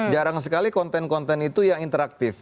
jarang sekali konten konten itu yang interaktif